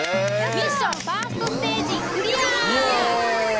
ミッションファーストステージイエイ！